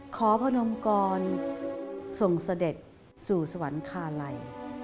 พนมกรส่งเสด็จสู่สวรรคาลัย